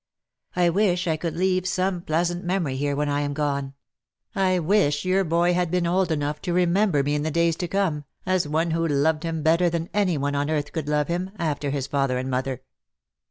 I wish I could leave some pleasant memory here when I am gone — I wish your boy had been old enough to remember me in the days to come, as one who loved him better than any one on earth could love him, after his father and mother."